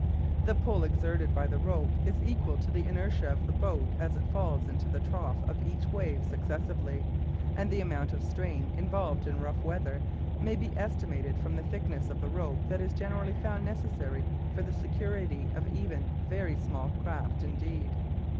The pull exerted by the rope is equal to the inertia of the boat as it falls into the trough of each wave successively, and the amount of strain involved in rough weather may be estimated from the thickness of the rope that is generally found necessary for the security of even very small craft indeed.